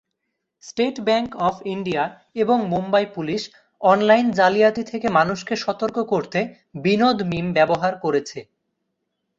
State Bank of India এবং Mumbai police online জালিয়াতি থেকে মানুষকে সতর্ক করতে বিনোদ মিম ব্যবহার করেছে।